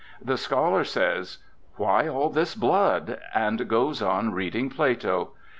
The scholar says, "Why all this blood?" and goes on reading Plato.